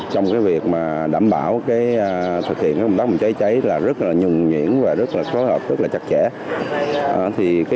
trong việc đảm bảo thực hiện công tác chữa cháy là rất nhùng nhuyễn và rất phối hợp rất chặt chẽ